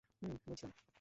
হুম, বুঝলাম।